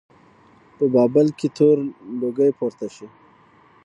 په بابل کې تور لوګی پورته شي.